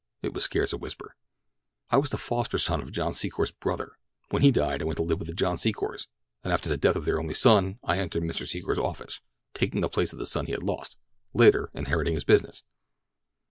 It was scarce a whisper. "I was the foster son of John Secor's brother. When he died I went to live with the John Secors, and after the death of their only son I entered Mr. Secor's office, taking the place of the son he had lost, later inheriting his business."